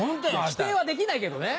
否定はできないけどね。